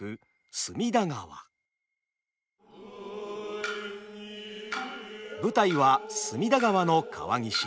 続いては舞台は隅田川の川岸。